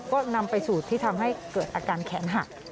ก็นำไปสู่ที่ทำให้เกิดอาการแขนหัก